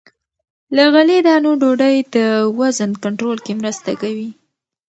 له غلې- دانو ډوډۍ د وزن کنټرول کې مرسته کوي.